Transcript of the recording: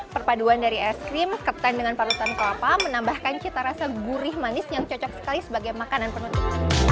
perpaduan dari es krim ketan dengan parutan kelapa menambahkan cita rasa gurih manis yang cocok sekali sebagai makanan penutup